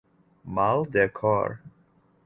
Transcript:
Mal de cor.